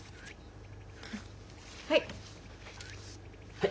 はい。